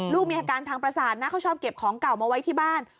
ลูกมีอาการทางประสาทนะเขาชอบเก็บของเก่ามาไว้ที่บ้าน